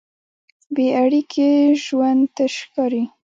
بېاړیکې ژوند تش ښکاري.